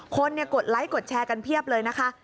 กดไลค์กดแชร์กันเพียบเลยนะคะ